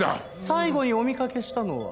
最後にお見かけしたのは？